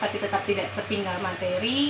tetap tidak tertinggal materi